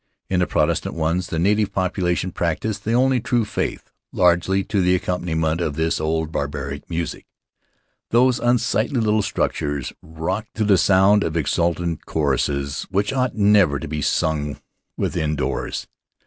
In the Protestant ones the native population practice the only true faith, largely to the accompaniment of this old barbaric music. Those unsightly little structures rock to the sound Faery Lands of the South Seas of exultant choruses which ought never to be sung withindoors.